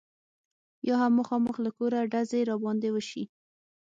یا هم مخامخ له کوره ډزې را باندې وشي.